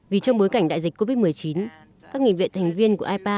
vì trong bối cảnh đại dịch covid một mươi chín các nghị viện thành viên của ipa